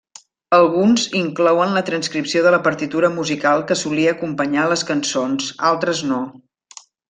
Alguns inclouen la transcripció de la partitura musical que solia acompanyar les cançons, altres no.